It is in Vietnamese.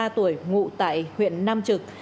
hai mươi ba tuổi ngụ tại huyện nam trực